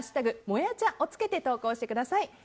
「＃もやチャ」をつけて投稿してください。